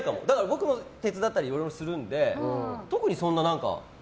僕も手伝ったりいろいろするので特にそんな。